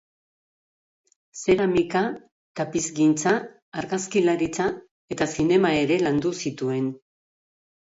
Zeramika, tapizgintza, argazkilaritza eta zinema ere landu zituen.